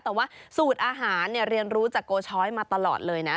แต่ว่าสูตรอาหารเนี่ยเรียนรู้จากโกช้อยมาตลอดเลยนะ